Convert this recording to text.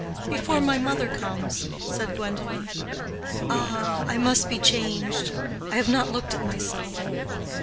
"Before my mother comes," said Gwendolen. "Ah! I must be changed. I have not looked at myself.